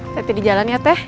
nanti di jalan ya teh